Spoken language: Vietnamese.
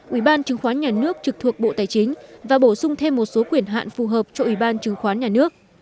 ủy ban chứng khoán nhà nước trực thuộc bộ tài chính và bổ sung thêm một số quyền hạn phù hợp cho ủy ban chứng khoán nhà nước